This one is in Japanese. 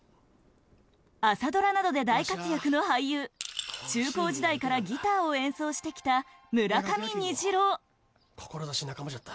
朝ドラなどで大活躍の俳優中高時代からギターを演奏してきた村上虹郎せいや：